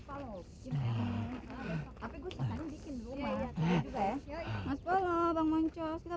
pakotnya ga ada masalah masalah masalah